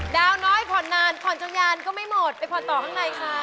น้อยผ่อนนานผ่อนจนยานก็ไม่หมดไปผ่อนต่อข้างในค่ะ